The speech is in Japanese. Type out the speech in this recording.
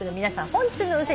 本日の運勢